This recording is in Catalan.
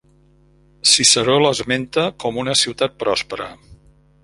Ciceró l'esmenta com una ciutat prospera.